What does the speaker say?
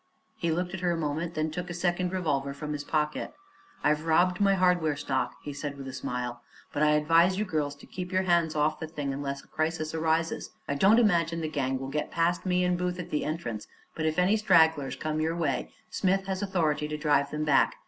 He looked at her a moment and then took a second revolver from his pocket. "I've robbed my hardware stock," he said with a smile. "But I advise you girls to keep your hands off the thing unless a crisis arises. I don't imagine the gang will get past me and Booth at the entrance, but if any stragglers come your way Smith has authority to drive them back.